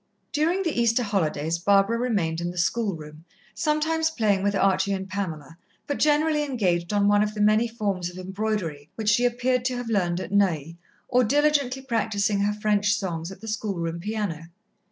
During the Easter holidays Barbara remained in the schoolroom, sometimes playing with Archie and Pamela, but generally engaged on one of the many forms of embroidery which she appeared to have learned at Neuilly, or diligently practising her French songs at the schoolroom piano.